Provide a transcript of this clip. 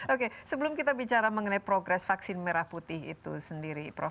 oke sebelum kita bicara mengenai progres vaksin merah putih itu sendiri prof